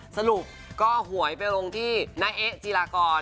สรุปก็หวยไปลงที่น้าเอ๊ะจีรากร